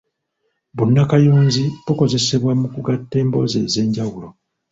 Bunnakayunzi bukozesebwa mu kugatta emboozi ez’enjawulo.